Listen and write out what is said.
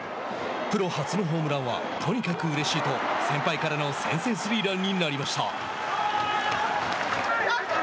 プロ初のホームランはとにかくうれしいと先輩からの先制スリーランになりました。